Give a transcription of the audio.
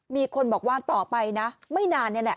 มีคนบอกว่าต่อไปไม่นาน